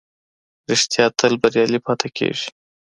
رښتيا تل بريالی پاتې کېږي.